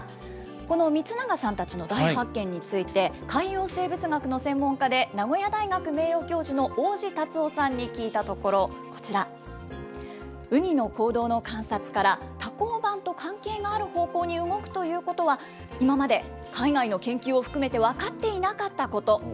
この満永さんたちの大発見について、海洋生物学の専門家で、名古屋大学名誉教授の大路樹生さんに聞いたところ、こちら、ウニの行動の観察から、多孔板と関係がある方向に動くということは、今まで海外の研究を含めて分かっていなかったこと。